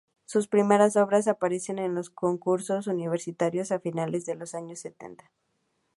Sus primeras obras aparecen en los concursos universitarios a finales de los años sesenta.